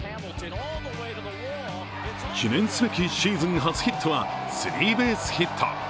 記念すべきシーズン初ヒットはスリーベースヒット。